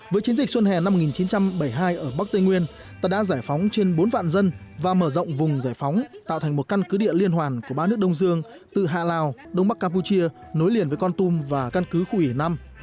với chiến dịch xuân hè năm một nghìn chín trăm bảy mươi hai ở bắc tây nguyên ta đã giải phóng trên bốn vạn dân và mở rộng vùng giải phóng tạo thành một căn cứ địa liên hoàn của ba nước đông dương từ hạ lào đông bắc campuchia nối liền với con tum và căn cứ khu ủy năm